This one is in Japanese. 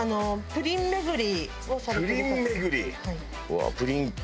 プリン巡り！